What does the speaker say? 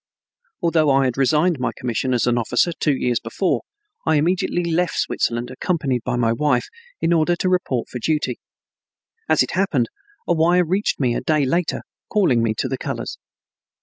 Although I had resigned my commission as an officer two years before, I immediately left Switzerland, accompanied by my wife, in order to report for duty. As it happened, a wire reached me a day later calling me to the colors.